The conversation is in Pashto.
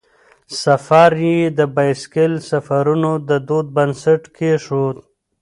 سفر یې د بایسکل سفرونو د دود بنسټ کیښود.